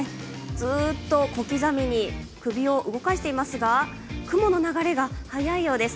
ずっと小刻みに首を動かしていますが雲の流れが速いようです。